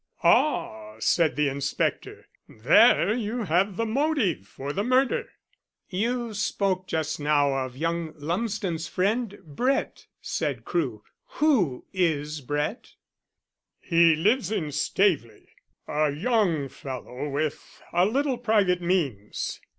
"Ah," said the inspector, "there you have the motive for the murder." "You spoke just now of young Lumsden's friend, Brett," said Crewe. "Who is Brett?" "He lives in Staveley a young fellow with a little private means.